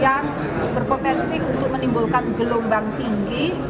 yang berpotensi untuk menimbulkan gelombang tinggi